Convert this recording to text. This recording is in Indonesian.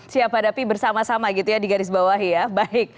siap hadapi bersama sama gitu ya di garis bawahi ya baik